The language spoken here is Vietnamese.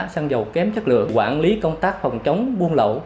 xăng dầu kém chất lượng quản lý công tác phòng chống buôn lậu